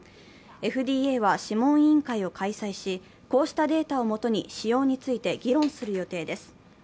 ＦＤＡは諮問委員会を開催し、こうしたデータを基に使用について議論する予定です。